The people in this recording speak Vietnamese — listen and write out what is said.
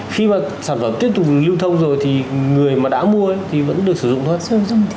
khi mà sản phẩm tiếp tục lưu thông rồi thì người mà đã mua thì vẫn được sử dụng thôi